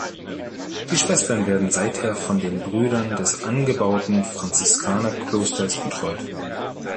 Die Schwestern werden seither von den Brüdern des angebauten Franziskanerklosters betreut.